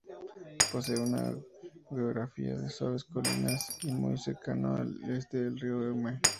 Posee una geografía de suaves colinas y muy cercano está el río Eume.